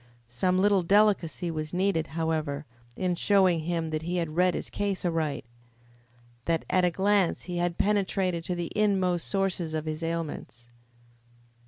Some little delicacy was needed, however, in showing him that he had read his case aright that at a glance he had penetrated to the inmost sources of his ailments.